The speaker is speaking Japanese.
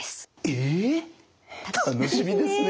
え楽しみですね。